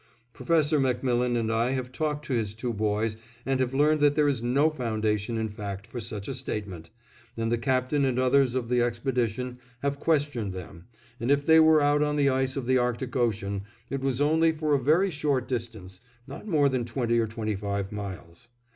Professor MacMillan and I have talked to his two boys and have learned that there is no foundation in fact for such a statement, and the Captain and others of the expedition have questioned them, and if they were out on the ice of the Arctic Ocean it was only for a very short distance, not more than twenty or twenty five miles.